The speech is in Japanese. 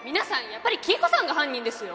やっぱり黄以子さんが犯人です